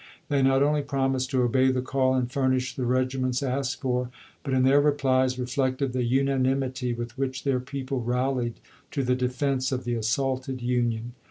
They not only promised to obey the call and furnish the regiments asked for, but in their replies reflected the unanimity with which their people rallied to the defense of the assaulted Union.